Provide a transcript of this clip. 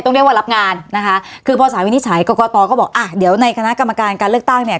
เรียกว่ารับงานนะคะคือพอสารวินิจฉัยกรกตก็บอกอ่ะเดี๋ยวในคณะกรรมการการเลือกตั้งเนี่ย